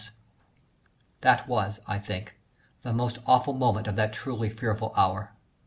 That was, I think, the most awful moment of that truly fearful hour.